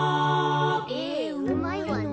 絵うまいわね。